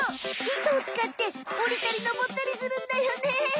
糸を使っておりたり登ったりするんだよね！